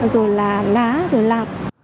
rồi là lá rồi là